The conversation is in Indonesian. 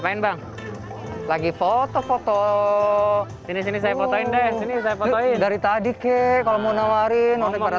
ya satu dua tiga